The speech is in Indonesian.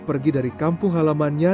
pergi dari kampung halamannya